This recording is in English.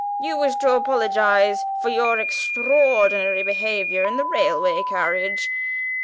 "You wish to apologise for your extraordinary behaviour in the railway carriage?